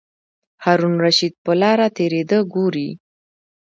هارون الرشید په لاره تېرېده ګوري.